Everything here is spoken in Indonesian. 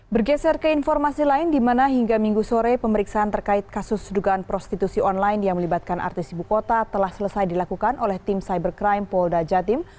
bergeser ke informasi lain di mana hingga minggu sore pemeriksaan terkait kasus dugaan prostitusi online yang melibatkan artis ibu kota telah selesai dilakukan oleh tim cybercrime polda jatim